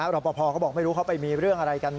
รอปภก็บอกไม่รู้เขาไปมีเรื่องอะไรกัน